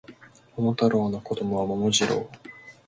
桃太郎の子供は桃次郎